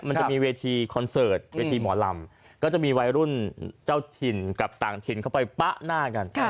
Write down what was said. มันจะมีเวทีคอนเสิร์ตเวทีหมอลำก็จะมีวัยรุ่นเจ้าถิ่นกับต่างถิ่นเข้าไปปะหน้ากัน